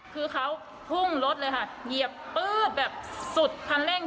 คือเขาพุ่งรถเลยค่ะเหยียบปื๊ดแบบสุดคันเร่ง